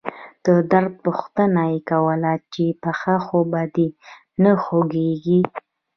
د درد پوښتنه يې کوله چې پښه خو به دې نه خوږيږي.